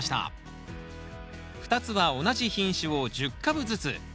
２つは同じ品種を１０株ずつ。